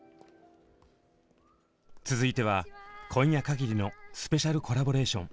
続いては今夜かぎりのスペシャルコラボレーション。